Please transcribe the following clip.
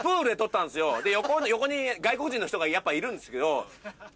横に外国人の人がやっぱいるんですけど。